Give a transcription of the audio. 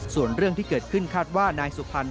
ส่วนเรื่องที่เกิดขึ้นคาดว่านายสุพรรณ